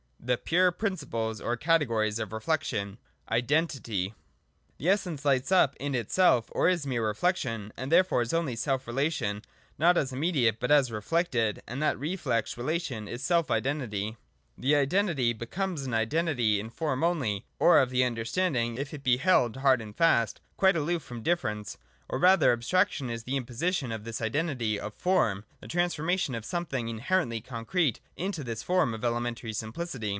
(fl) The pure principles or categories of Reflection. (a) Identity. 115.] The Essence lights up in itself ot is mere reflec tion : and therefore is only self relation, not as imme diate but as reflected. And that reflex relation is self Identity. This Identity becomes an Identity in form only, or of 1 1 5. J IDENTITY. 2 13 the understanding, if it be held hard and fast, quite aloof from difference. Or, rather, abstraction is the imposi tion of this Identity of form, the transformation of some thing inherently concrete into this form of elementary simplicity.